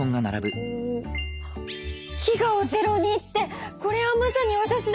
「飢餓をゼロに」ってこれはまさにわたしだ！